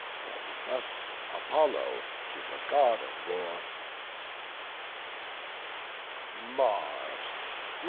Then thus Apollo to the God of War: "Mars!